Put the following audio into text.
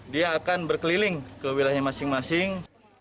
dia akan berkeliling ke wilayahnya masing masing